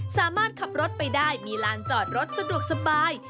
สามารถขับรถไปได้มีลานจอดรถสะดวกสบาย